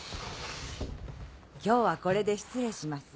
今日はこれで失礼します。